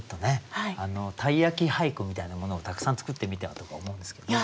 鯛焼俳句みたいなものをたくさん作ってみてはとか思うんですけども。